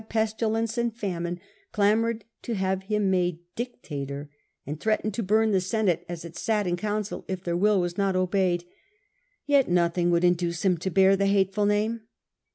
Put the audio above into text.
pestilence and famine, clamoured to have him made dictator, and threatened to burn the Senate as it sat in council if their will was not obeyed, yet nothing would induce him to bear the hateful name.